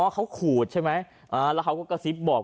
เขาขูดใช่ไหมแล้วเขาก็กระซิบบอก